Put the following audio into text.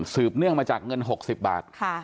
สืบเนื่องมาจากเงินหกสิบบาท